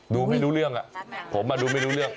ดูไม่รู้เรื่องผมดูไม่รู้เรื่อง